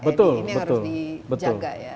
ini harus dijaga ya